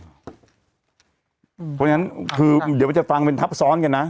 เพราะฉะนั้นเพราะอย่างนั้นคือเดี๋ยวเวลาจะฟังเป็นทับส้อนกันนะ